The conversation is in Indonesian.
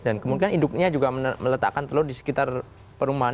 dan kemudian induknya juga meletakkan telur di sekitar perumahan